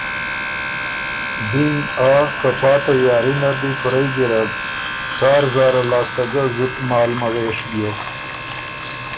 دیم آ که پا تیاري نر دی کُورئ ګیرډ څار زاره لاسته ګه زُت مال موېش بیوک